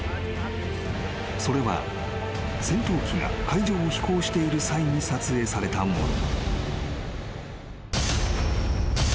［それは戦闘機が海上を飛行している際に撮影されたもの］